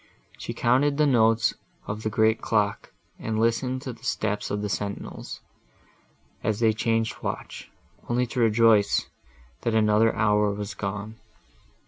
She counted the notes of the great clock, and listened to the steps of the sentinels, as they changed the watch, only to rejoice, that another hour was gone.